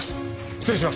失礼します。